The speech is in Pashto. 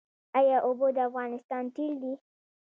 آیا اوبه د افغانستان تیل دي؟